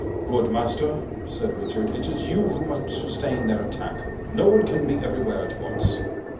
"Good Master," said Richard, "it is you who must sustain their attack. No one can be everywhere at once."